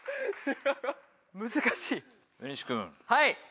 難しい。